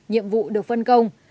nhiệm vụ được phân công